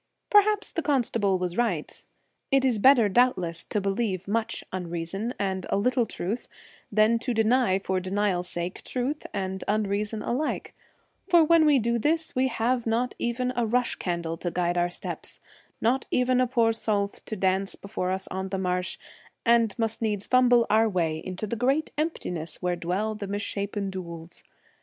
Perhaps the constable was right. It is better doubtless to believe much unreason and a little truth than to deny for denial's sake truth and unreason alike, for when we do this we have not even a rush candle to guide our steps, not even a poor sowlth to dance before us on the marsh, and must needs fumble our way into the great empti ness where dwell the mis shapen dhouls.